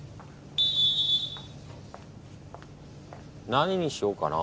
何にしようかな。